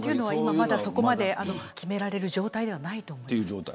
そこまで決められる状態ではないと思います。